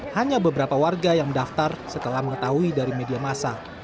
hanya beberapa warga yang mendaftar setelah mengetahui dari media masa